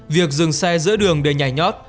việc dừng xe giữa đường để nhảy nhót